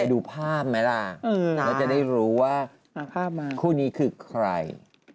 ดูภาพไหมล่ะแล้วจะได้รู้ว่าคู่นี้คือใคร